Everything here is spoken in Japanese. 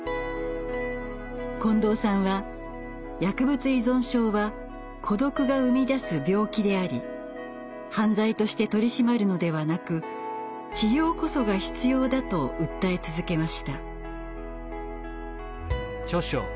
近藤さんは薬物依存症は孤独が生み出す病気であり犯罪として取り締まるのではなく治療こそが必要だと訴え続けました。